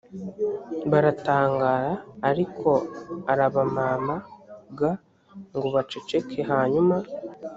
baratangara ariko arabamama g ngo baceceke hanyuma